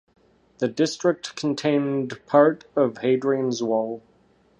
The district contained part of Hadrian's Wall.